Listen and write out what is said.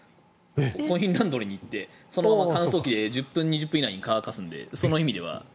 コインランドリーに行ってそのまま乾燥機で１０分、２０分以内に乾かすのでその意味では。